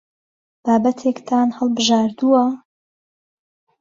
بابەتێکتان هەڵبژاردووە؟